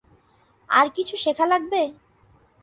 আর কিছু শেখা লাগবে?